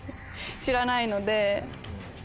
知らないので。